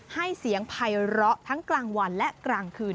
ให้เสียงภัยร้อทั้งกลางวันและกลางคืน